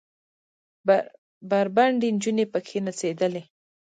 بربنډې نجونې پکښې نڅېدلې.